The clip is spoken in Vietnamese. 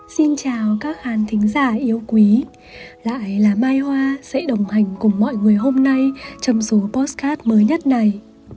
xin chào các hàn thính giả yêu quý lại là mai hoa sẽ đồng hành cùng mọi người hôm nay trong số postcard mới nhất này